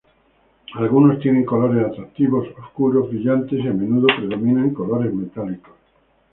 Algunos tiene colores atractivos: oscuros, brillantes y a menudo predominan colores metálicos.